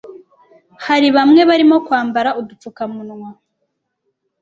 Hari bamwe barimo kwambara udupfukamunwa